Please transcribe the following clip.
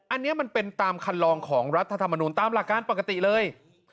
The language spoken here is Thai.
อันนี้มันเป็นตามคันลองของรัฐธรรมนูลตามหลักการปกติเลย